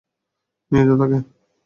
নিয়ে যাও তাকে!